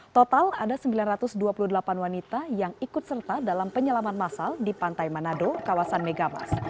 total ada sembilan ratus dua puluh delapan wanita yang ikut serta dalam penyelaman masal di pantai manado kawasan megamas